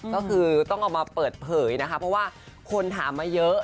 ก็คือต้องเอามาเปิดเผยนะคะเพราะว่าคนถามมาเยอะ